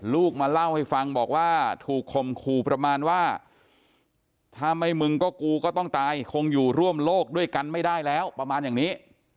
ลูกมาเล่าให้ฟังบอกว่าถูกคมคู่ประมาณว่าถ้าไม่มึงก็กูก็ต้องตายคงอยู่ร่วมโลกด้วยกันไม่ได้แล้วประมาณอย่างนี้